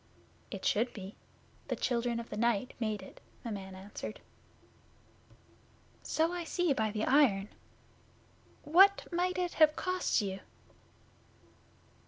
'It should be. The Children of the Night made it,' the man answered. 'So I see by the iron. What might it have cost you?